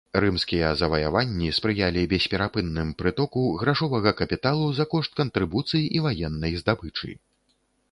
Рымскія заваяванні спрыялі бесперапынным прытоку грашовага капіталу за кошт кантрыбуцый і ваеннай здабычы.